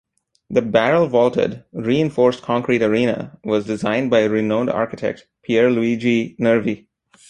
The barrel-vaulted, reinforced concrete arena was designed by renowned architect Pier Luigi Nervi.